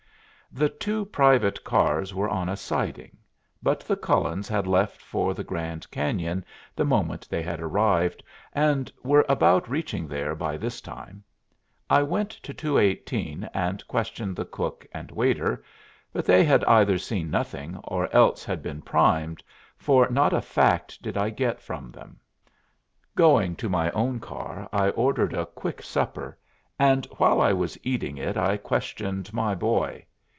The two private cars were on a siding, but the Cullens had left for the Grand Cañon the moment they had arrived, and were about reaching there by this time. I went to 218 and questioned the cook and waiter, but they had either seen nothing or else had been primed, for not a fact did I get from them. Going to my own car, I ordered a quick supper, and while I was eating it I questioned my boy.